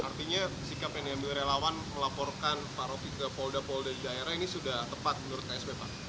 artinya sikap yang diambil relawan melaporkan pak rocky ke polda polda di daerah ini sudah tepat menurut ksp pak